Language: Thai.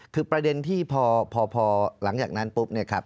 คือประเด็นที่พอหลังจากนั้นปุ๊บ